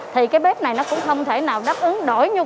thì cái bếp này nó cũng không thể nào đáp ứng đổi nhu